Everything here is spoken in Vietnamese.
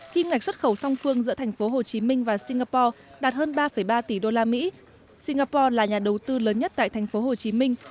kim ngạch xuất khẩu song phương giữa thành phố hồ chí minh và singapore đạt hơn ba ba tỷ đô la mỹ singapore là nhà đầu tư lớn nhất tại thành phố hồ chí minh